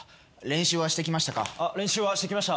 練習はしてきました。